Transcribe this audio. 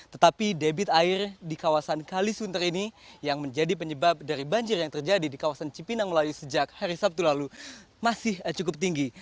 tetapi debit air di kawasan kalisunter ini yang menjadi penyebab dari banjir yang terjadi di kawasan cipinang melayu sejak hari sabtu lalu masih cukup tinggi